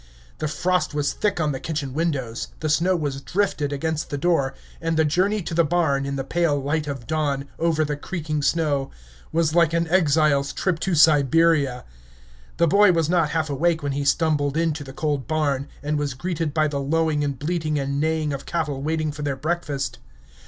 The frost was thick on the kitchen windows, the snow was drifted against the door, and the journey to the barn, in the pale light of dawn, over the creaking snow, was like an exile's trip to Siberia. The boy was not half awake when he stumbled into the cold barn, and was greeted by the lowing and bleating and neighing of cattle waiting for their breakfast.